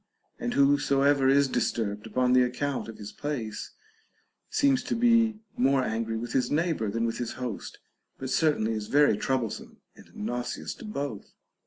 And whosoever is disturbed upon the account of his place seems to be more angry with his neighbor than with his host, but certainly is very trouble some and nauseous to both.